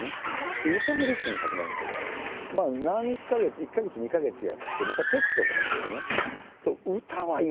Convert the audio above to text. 歌のレッスンが始まるんですけどまあ何か月１か月２か月やってまたテストがあるんですよね。